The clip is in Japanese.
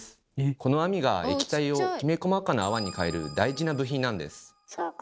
この網が液体をきめ細かな泡に変える大事な部品なんです。